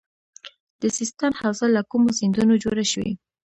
د سیستان حوزه له کومو سیندونو جوړه شوې؟